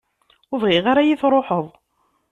Ur bɣiɣ ara ad iyi-truḥeḍ.